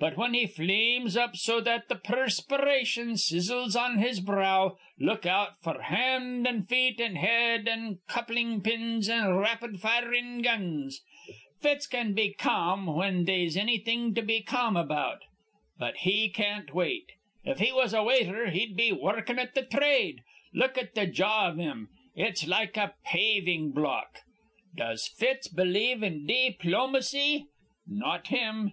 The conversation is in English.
But, whin he flames up so that th' perspi ration sizzles on his brow, look out f'r hand an' feet an' head an' coupling pins an' rapid firin' guns. Fitz can be ca'm whin they'se annything to be ca'm about, but he can't wait. If he was a waiter, he'd be wurrukin' at th' thrade. Look at th' jaw iv him! It's like a paving block. "Does Fitz believe in di plomacy? Not him.